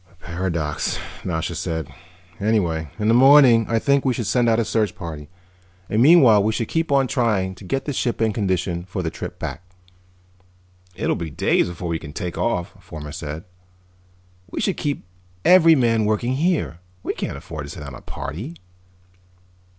"A paradox," Nasha said. "Anyhow, in the morning I think we should send out a search party. And meanwhile we should keep on trying to get the ship in condition for the trip back." "It'll be days before we can take off," Fomar said. "We should keep every man working here. We can't afford to send out a party."